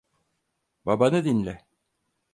Babanı dinle.